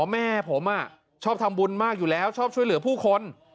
แม่ผมชอบทำบุญมากอยู่แล้วชอบช่วยเหลือผู้คน